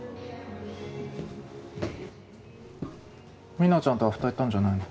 ミナちゃんとアフター行ったんじゃないの？